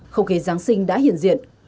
không khí giáng sinh đã hiện diện